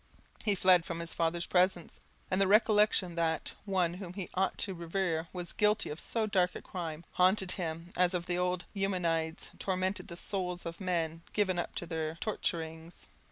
He fled from his father's presence; and the recollection that one whom he ought to revere was guilty of so dark a crime, haunted him, as of old the Eumenides tormented the souls of men given up to their torturings.